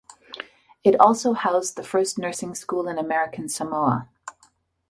It also housed the first nursing school in American Samoa.